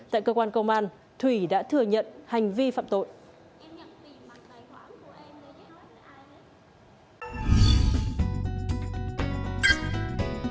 tại cơ quan công an thủy đã thừa nhận hành vi phạm tội